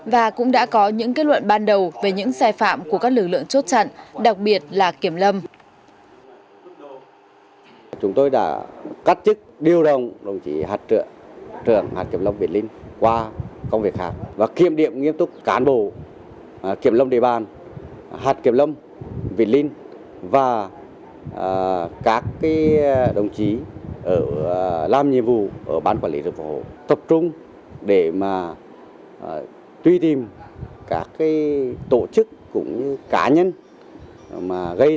và cũng đã có những kết luận ban đầu về những sai phạm của các lực lượng chốt trận đặc biệt là kiểm lâm